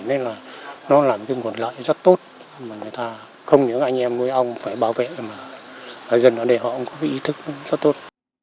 nên là nó làm cho một loại rất tốt mà người ta không những anh em nuôi ong phải bảo vệ mà dân ở đây họ cũng có ý thức rất tốt